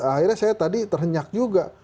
akhirnya saya tadi terhenyak juga